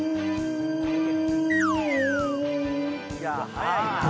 早いなぁ。